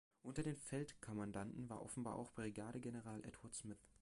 Unter den Feldkommandanten war offenbar auch Brigadegeneral Edward Smith.